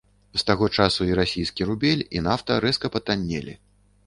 З таго часу і расійскі рубель, і нафта рэзка патаннелі.